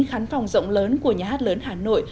khán phòng rộng lớn của nhà hát lớn hà nội